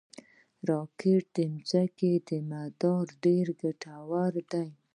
راکټ د ځمکې مدار ته ډېر ګټور دي